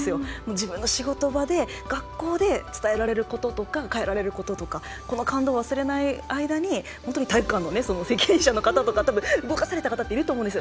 自分の仕事場で、学校で伝えられることとか変えられることとか感動を忘れない間に体育館の責任者の方とか動かせる方っていると思うんですよ。